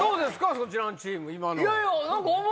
そちらのチーム今の。